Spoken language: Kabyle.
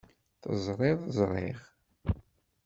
Teẓriḍ ẓṛiɣ.